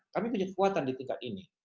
kami punya kekuatan di tingkat ini